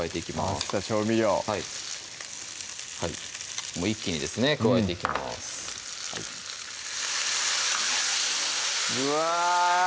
合わせた調味料はい一気にですね加えていきますうわ！